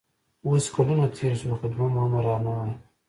اوس کلونه تېر شول خو دویم امر رانغی